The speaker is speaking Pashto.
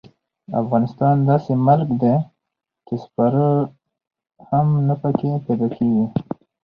افغانستان داسې ملک دې چې سپوره هم نه پکې پیدا کېږي.